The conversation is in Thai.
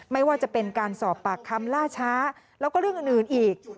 ไม่ว่าจะเป็นการสอบปากคำล่าช้าแล้วก็เรื่องอื่นอีก